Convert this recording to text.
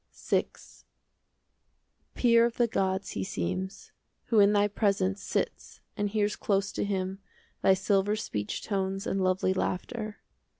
VI Peer of the gods he seems, Who in thy presence Sits and hears close to him Thy silver speech tones And lovely laughter.